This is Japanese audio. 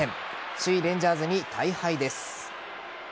首位・レンジャーズに大敗です。